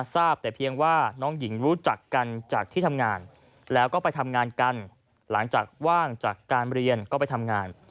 ทราบแต่เพียงว่าน้องหญิงรู้จักกันจากที่ทำงานแล้วก็ไปทำงานกันหลังจากว่างจากการเรียนก็ไปทำงาน